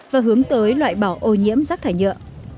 và hướng tới loại bỏ ô nhiễm rác thải nhựa